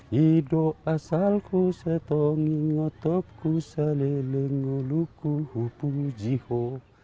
hidup asalku saya tongi ngotokku sali lengoluku hupu jiho